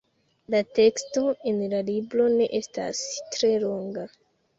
La teksto en la libro ne estas tre longa.